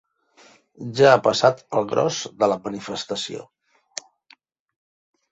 Ja ha passat el gros de la manifestació.